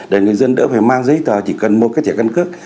để người dân đỡ phải mang giấy tờ chỉ cần một cái thẻ căn cước